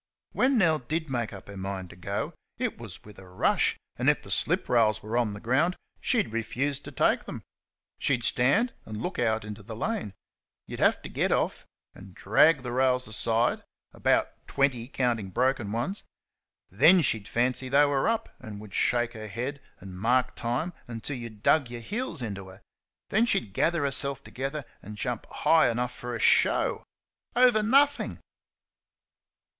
When Nell DID make up her mind to go, it was with a rush, and, if the slip rails were on the ground, she'd refuse to take them. She'd stand and look out into the lane. You'd have to get off and drag the rails aside (about twenty, counting broken ones). Then she'd fancy they were up, and would shake her head and mark time until you dug your heels into her; then she'd gather herself together and jump high enough for a show over nothing!